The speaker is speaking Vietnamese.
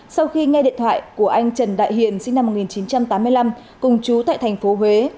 sau khi nghe điện thoại của anh trần đại hiền sinh năm một nghìn chín trăm tám mươi năm cùng trú tại tp huế